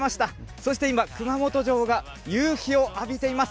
そして今、熊本城が夕日を浴びています。